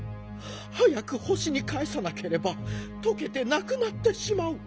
早く星にかえさなければとけてなくなってしまうわ。